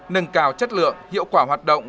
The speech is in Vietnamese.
nâng cao chất lượng hiệu quả hoạt động